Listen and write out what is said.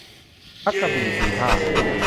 ชักกระบี่สี่ท่า